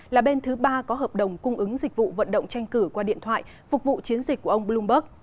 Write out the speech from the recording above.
là bên thứ ba có hợp đồng cung ứng dịch vụ vận động tranh cử qua điện thoại phục vụ chiến dịch của ông bloomberg